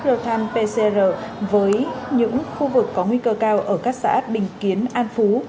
real time pcr với những khu vực có nguy cơ cao ở các xã bình kiến an phú